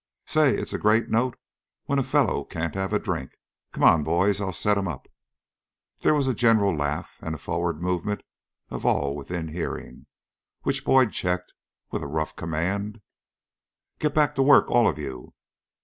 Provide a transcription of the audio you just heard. "Say! It's a great note when a fellow can't have a drink. Come on, boys, I'll set 'em up." There was a general laugh and a forward movement of all within hearing, which Boyd checked with a rough command. "Get back to work, all of you."